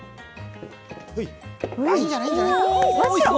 あっ、いいんじゃない、いいんじゃない？